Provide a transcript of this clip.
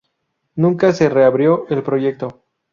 Nunca se reabrió el proyecto.